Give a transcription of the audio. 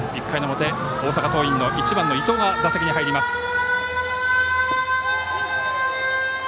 １回の表、大阪桐蔭の１番の伊藤が打席に入ります。